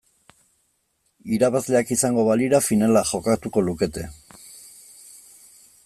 Irabazleak izango balira finala jokatuko lukete.